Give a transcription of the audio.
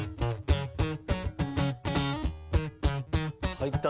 入った！